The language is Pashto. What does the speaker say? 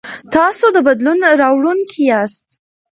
تاسو د بدلون راوړونکي یاست.